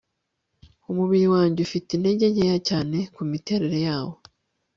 Umubiri wanjye ufite intege nke cyane kumiterere yawo